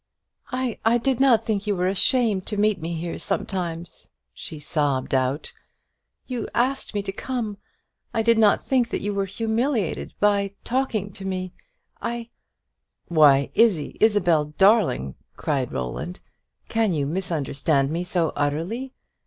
"I did not think you were ashamed to meet me here sometimes," she sobbed out; "you asked me to come. I did not think that you were humiliated by talking to me I " "Why, Izzie Isabel darling!" cried Roland, "can you misunderstand me so utterly?